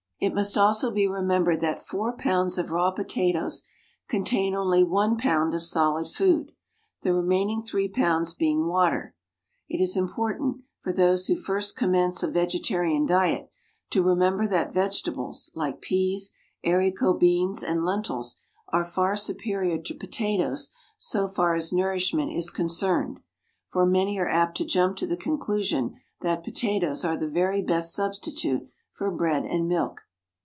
It must also be remembered that four pounds of raw potatoes contain only one pound of solid food, the remaining three pounds being water. It is important, for those who first commence a vegetarian diet, to remember that vegetables like peas, haricot beans, and lentils are far superior to potatoes so far as nourishment is concerned, for many are apt to jump to the conclusion that potatoes are the very best substitute for bread and milk.